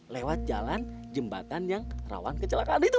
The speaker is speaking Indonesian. lewat jalan jembatan yang rawan kecelakaan itu